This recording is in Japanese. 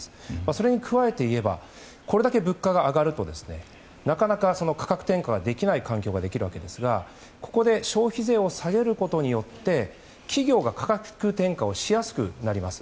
それに加えていえばこれだけ物価が上がるとなかなか価格転嫁ができない環境ができるわけですがここで消費税を下げることによって企業が価格転嫁をしやすくなります。